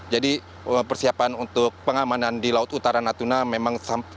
jadi persiapan untuk pengamanan di laut utara natuna memang sangat